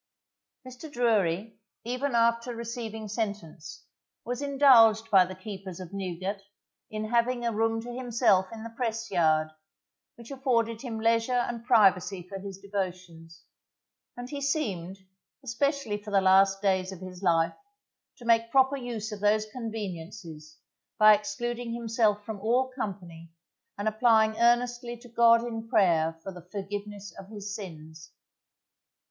Mr. Drury, even after receiving sentence, was indulged by the keepers of Newgate in having a room to himself in the Press Yard, which afforded him leisure and privacy for his devotions; and he seemed, especially for the last days of his life, to make proper use of those conveniences by excluding himself from all company and applying earnestly to God in prayer for the forgiveness of his sins.